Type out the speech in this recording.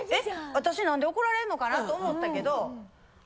私なんで怒られんのかなと思ったけど。